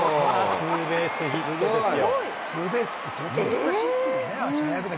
ツーベースヒットですよ。